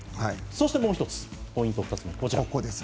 そしてもう１つポイント２つ目がこちら。